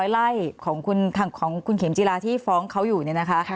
๓๘๐๐ไล่ของของคุณเข็มจีราที่ฟ้องเขาอยู่เลยนะคะ